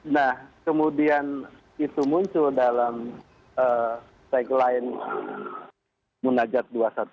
nah kemudian itu muncul dalam tagline munajat dua ratus dua belas